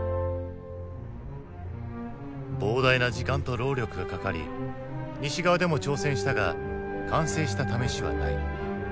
膨大な時間と労力がかかり西側でも挑戦したが完成した試しはない。